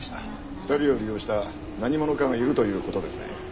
２人を利用した何者かがいるという事ですね。